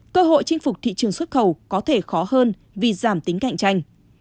cơ hội chinh phục thị trường xuất khẩu có thể khó hơn vì giảm tính cạnh tranh